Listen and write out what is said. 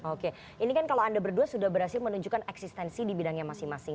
oke ini kan kalau anda berdua sudah berhasil menunjukkan eksistensi di bidangnya masing masing